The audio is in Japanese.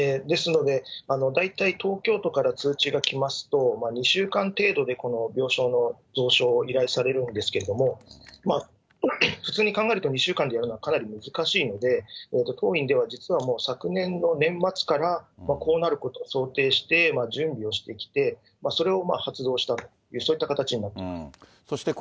ですので大体東京都から通知がきますと、２週間程度でこの病床の増床を依頼されるんですけれども、普通に考えると２週間でやるのはかなり難しいので、当院では実はもう昨年の年末からこうなることを想定して、準備をしてきて、それを発動したという、そういう形になっております。